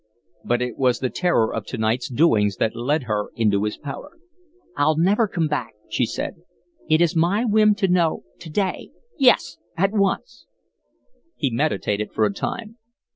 But it was the terror of to night's doings that led her into his power. "I'll never come back," she said. "It is my whim to know to day yes, at once." He meditated for a time.